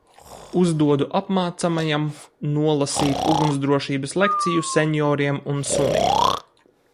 Uzdodu apmācāmajam nolasīt ugunsdrošības lekciju senioriem un sunim.